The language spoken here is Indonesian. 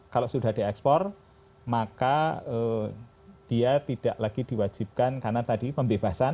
kalau sudah diekspor maka dia tidak lagi diwajibkan karena tadi pembebasan